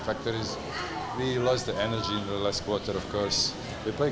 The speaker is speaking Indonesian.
faktor kedua adalah kita kehilangan tenaga di bulan ke empat